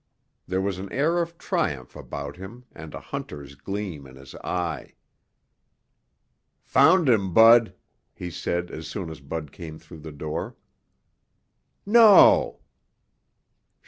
There was an air of triumph about him and a hunter's gleam in his eye. "Found him, Bud," he said as soon as Bud came through the door. "No!"